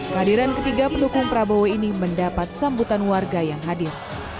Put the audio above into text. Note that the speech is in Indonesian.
hadiran ketiga pendukung prabowo ini mendapat sambutan warga yang hadir